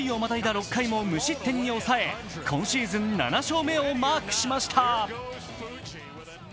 ６回も無失点に抑え今シーズン７勝目をマークしました。